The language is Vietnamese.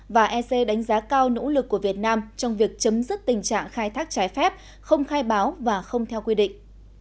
và ec đánh giá cao nỗ lực của việt nam trong việc chấm dứt tình trạng khai thác trái phép không khai báo và không theo quy định